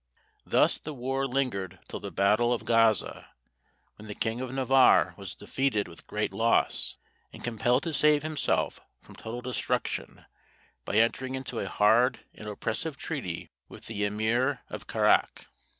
Thus the war lingered till the battle of Gaza, when the king of Navarre was defeated with great loss, and compelled to save himself from total destruction by entering into a hard and oppressive treaty with the emir of Karac.